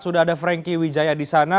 sudah ada franky wijaya di sana